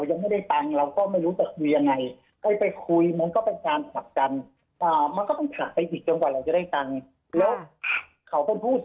อันนี้อ่าลงขึ้นมาก็เดี๋ยวจะหักบ้านรับภาพไม่สมูม